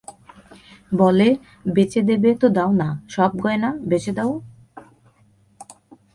বলে, বেচে দেবে তো দাও না, সব গয়না, বেচে দাও।